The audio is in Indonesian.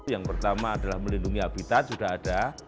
yang pertama adalah melindungi habitat sudah ada